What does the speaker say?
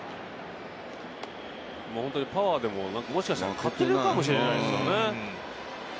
パワーでも、もしかしたら勝ってるかもしれないですよね。